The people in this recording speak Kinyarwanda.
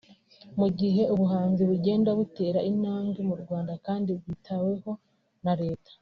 Mu gihe ubuhanzi bugenda butera intambwe mu Rwanda kandi bwitaweho na leta